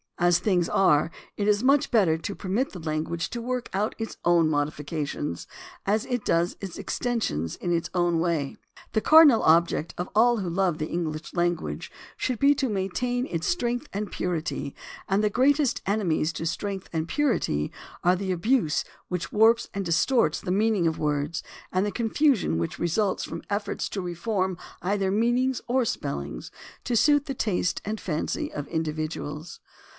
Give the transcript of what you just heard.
As things are, it is much better to permit the language to work out its own modifications as it does its exten sions in its own way. The cardinal object of all who love the English language should be to maintain its strength and purity, and the greatest enemies to strength and purity are the abuse which warps and distorts the meaning of words and the confusion which results from efforts to reform either meanings or spelling to suit the taste and fancy of individuals.